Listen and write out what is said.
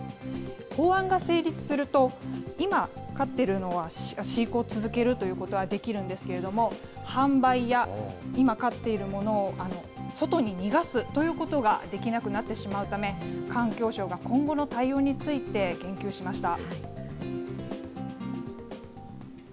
法案が成立すると今、飼ってるのは飼育を続けるということはできるんですけれども、販売や、今飼っているものを外に逃がすということができなくなってしまうため、環境省が今後の対応について、言及しました。